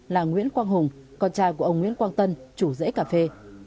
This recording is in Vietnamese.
là nguyễn quang hùng con trai của ông nguyễn quang tân chủ rễ cà phê